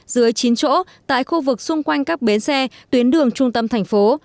dưới chín chỗ tại khu vực xung quanh các bến xe tuyến đường trung tâm thành phố